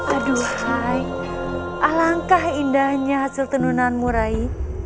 aduh hai alangkah indahnya hasil tenunanmu rai